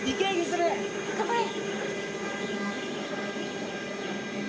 譲頑張れ！